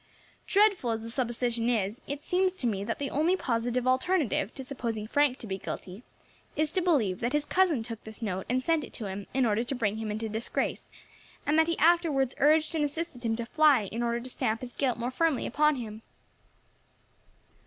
Dreadful as the supposition is, it seems to me that the only positive alternative to supposing Frank to be guilty is to believe that his cousin took this note and sent it to him in order to bring him into disgrace, and that he afterwards urged and assisted him to fly in order to stamp his guilt more firmly upon him."